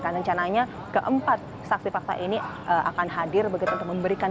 dan rencananya keempat saksi fakta ini akan hadir begitu untuk memberikan